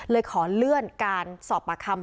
เลยขอเลื่อนการสอบปากคำ